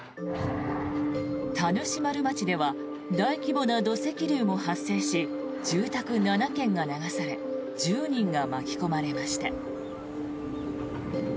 田主丸町では大規模な土石流も発生し住宅７軒が流され１０人が巻き込まれました。